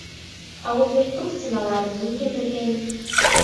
Ә ул йорттоң стеналарын мин емергәйнем.